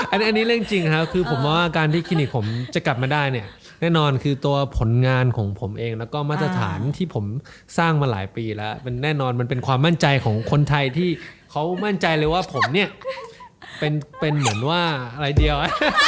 อันนี้เรื่องจริงครับคือผมว่าการที่คลินิกผมจะกลับมาได้เนี่ยแน่นอนคือตัวผลงานของผมเองแล้วก็มาตรฐานที่ผมสร้างมาหลายปีแล้วมันแน่นอนมันเป็นความมั่นใจของคนไทยที่เขามั่นใจเลยว่าผมเนี่ยเป็นเหมือนว่าอะไรเดียว